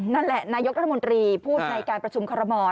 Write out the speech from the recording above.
นั่นแหละนายกรัฐมนตรีพูดในการประชุมคอรมอล